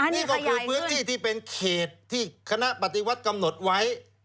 นี่ก็คือพื้นที่ที่เป็นเขตที่คณะปฏิวัติกำหนดไว้